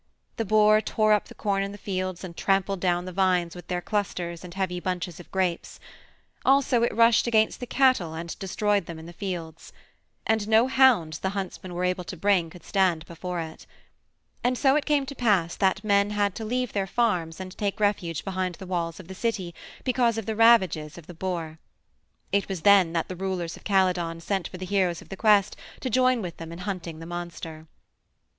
The boar tore up the corn in the fields and trampled down the vines with their clusters and heavy bunches of grapes; also it rushed against the cattle and destroyed them in the fields. And no hounds the huntsmen were able to bring could stand before it. And so it came to pass that men had to leave their farms and take refuge behind the walls of the city because of the ravages of the boar. It was then that the rulers of Calydon sent for the heroes of the quest to join with them in hunting the monster.